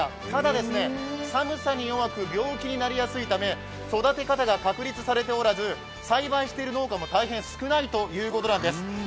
ただ、寒さに弱く、病気になりやすいため育て方が確立されておらず、栽培している農家も大変少ないということなんです。